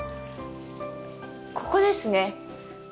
ここですね。